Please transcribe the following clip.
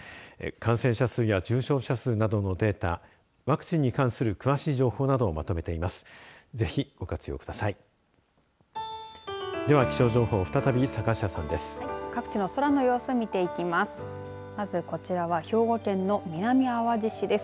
感染者数や重症者数などのデータワクチンに関する詳しい情報などをまとめています。